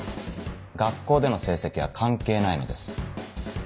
学校での成績は関係ないのです。